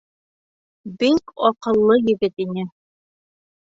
Бик аҡыллы егет ине.